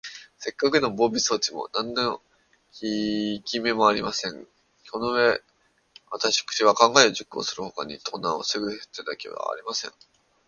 せっかくの防備装置も、なんのききめもありません。このうえは、わたくしの考えを実行するほかに、盗難をふせぐ手だてはありません。